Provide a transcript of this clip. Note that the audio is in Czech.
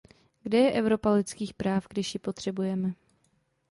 Kde je Evropa lidských práv, když ji potřebujeme?